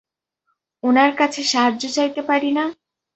উনার কাছে সাহায্য চাইতে পারি না?